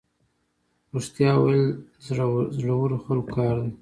رښتیا ویل د زړورو خلکو کار دی.